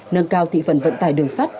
nâng cao thị phần vận tài đường sắt